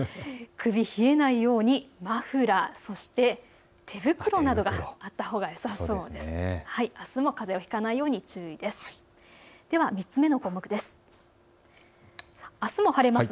首、冷えないようにマフラー、そして手袋などがあったほうがよさそうです。